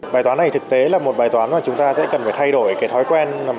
bài toán này thực tế là một bài toán mà chúng ta sẽ cần phải thay đổi cái thói quen